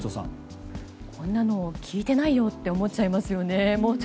こんなの聞いてないよ！と思っちゃいますよね